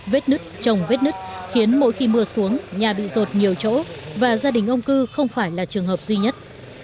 vết nứt trồng vết nứt khiến mỗi khi mưa xuống nhà bị rột nhiều chỗ và gia đình ông cư không phải là trường hợp duy nhất